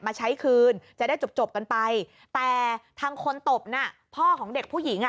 มาใช้คืนจะได้จบจบกันไปแต่ทางคนตบน่ะพ่อของเด็กผู้หญิงอ่ะ